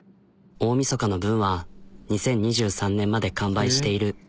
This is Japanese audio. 大みそかの分は２０２３年まで完売している。